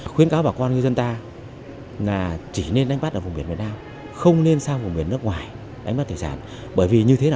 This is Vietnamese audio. khuyến cáo bà con như dân ta là chỉ nên đánh bắt ở vùng biển việt nam không nên sang vùng biển nước ngoài đánh bắt hải sản